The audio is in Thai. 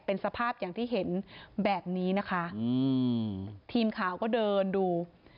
เป็นสภาพอย่างที่เห็นแบบนี้นะคะอืมทีมข่าวก็เดินดู